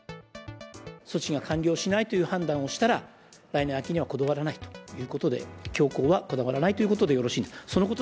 措置が完了しないという判断をしたら、来年秋にはこだわらないということで、強行はこだわらないということでよろしいですね。